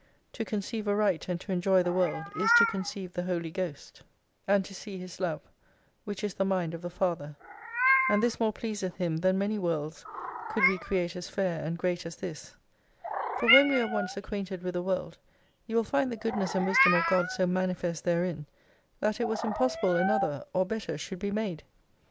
To conceive aright and to enjoy the world, is to conceive the Holy Ghost, 7 and to see His Love : whick is the Mind of the Father. And this more pleaseth Him than many Worlds, could we create as fair and great as this. For when we are once acquainted with the world, you will find the goodness and wisdom of God so manifest therein, that it was impossible another, or better should be made.